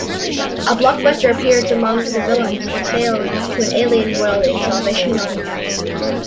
A Blockbuster appears among the villains exiled to an alien world in "Salvation Run".